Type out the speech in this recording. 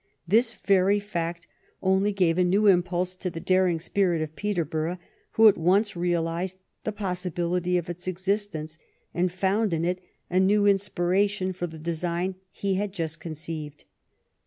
This very fact only gave a new impulse to the daring spirit of Peterborough, who at once realized the possibility of its existence, and found in it a new inspiration for the design he had just conceived.